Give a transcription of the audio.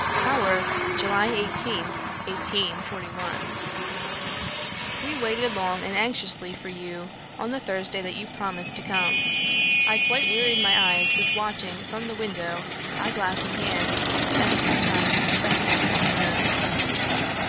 "Haworth, July 18th, 1841. "We waited long and anxiously for you, on the Thursday that you promised to come. I quite wearied my eyes with watching from the window, eye glass in hand, and sometimes spectacles on nose.